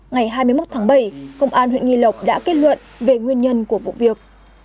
ngày hai mươi một tháng bảy công an huyện nghi lộc đã kết luận về nguyên nhân của vụ việc